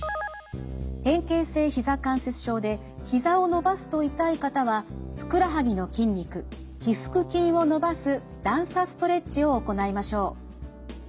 変形性ひざ関節症でひざを伸ばすと痛い方はふくらはぎの筋肉腓腹筋を伸ばす段差ストレッチを行いましょう。